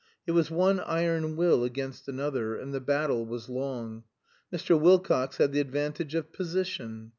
It was one iron will against another, and the battle was long. Mr. Wilcox had the advantage of position.